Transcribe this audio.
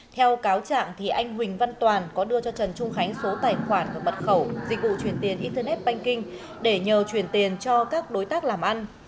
theo cáo trạng anh huỳnh văn toàn có đưa cho trần trung khánh số tài khoản và mật khẩu dịch vụ chuyển tiền internet banking để nhờ chuyển tiền cho các đối tác làm ăn